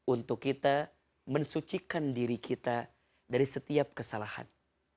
untuk kita mensucikan diri kita dari setiap kesalahan